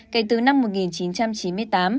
kể từ năm một nghìn chín trăm ba mươi sáu